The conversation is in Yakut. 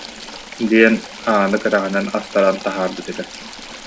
диэн, ааны кэтэҕинэн астаран таһаарбыт этэ